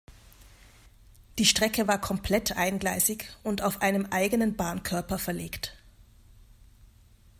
Die Strecke war komplett eingleisig und auf einem eigenen Bahnkörper verlegt.